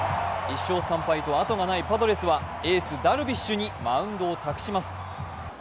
１勝３敗とあとがないパドレスはエース・ダルビッシュにマウンドを託します。